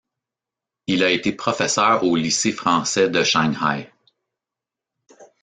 Il a été professeur au Lycée français de Shanghai.